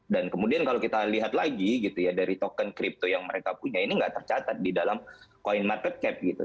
kemudian kalau kita lihat lagi gitu ya dari token kripto yang mereka punya ini nggak tercatat di dalam koin market cap gitu